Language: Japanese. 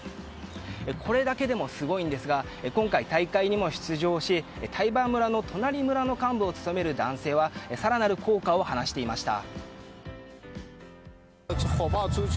これだけでもすごいんですが今回、大会にも出場し台盤村の隣の村の幹部を務める男性は更なる効果を話していました。